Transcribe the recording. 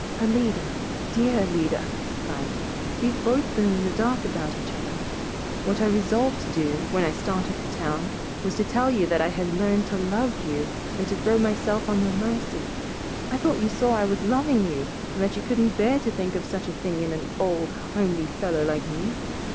"Alida, dear Alida!" he cried, "we've both been in the dark about each other. What I resolved to do, when I started for town, was to tell you that I had learned to love you and to throw myself on your mercy. I thought you saw I was loving you and that you couldn't bear to think of such a thing in an old, homely fellow like me.